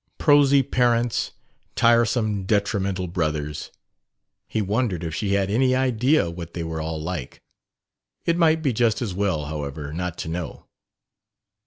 Prosy parents; tiresome, detrimental brothers ... He wondered if she had any idea what they were all like. It might be just as well, however, not to know.